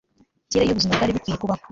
kera iyo ubuzima bwari bukwiye kubaho